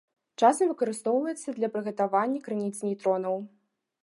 Часам выкарыстоўваецца для прыгатавання крыніц нейтронаў.